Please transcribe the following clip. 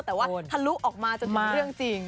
แต่ว่าถ้ารู้ออกมาจะเป็นเรื่องจริง